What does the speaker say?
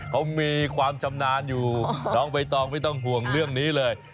เขามีความชำนาญอยู่น้องใบตองไม่ต้องห่วงเรื่องนี้เลย